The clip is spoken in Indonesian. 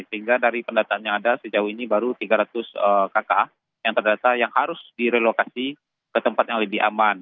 sehingga dari pendataan yang ada sejauh ini baru tiga ratus kakak yang terdata yang harus direlokasi ke tempat yang lebih aman